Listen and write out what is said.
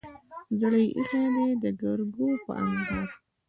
زړه يې ايښی دی دګرګو په انګار کې